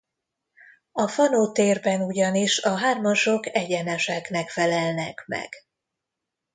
A Fano-térben ugyanis a hármasok egyeneseknek felelnek meg.